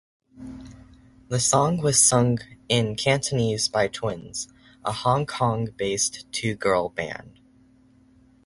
The song was sung in Cantonese by Twins, a Hong Kong-based two-girl band.